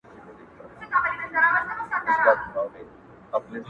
غوجله لا هم خاموشه ولاړه ده,